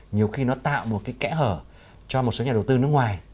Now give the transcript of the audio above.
nhiều khi nó tạo một cái kẽ hở cho một số nhà đầu tư nước ngoài